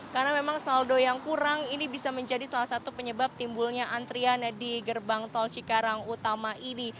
karena memang saldo yang kurang ini bisa menjadi salah satu penyebab timbulnya antrian di gerbang tol cikarang utama ini